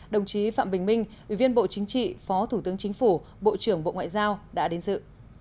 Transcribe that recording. đồng chí phạm bình minh ủy viên bộ chính trị phó thủ tướng chính phủ bộ trưởng bộ ngoại giao đã đến dự